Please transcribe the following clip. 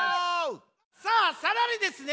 さあさらにですね